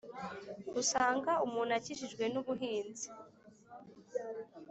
usanga umuntu akijijwe n’ubuhinzi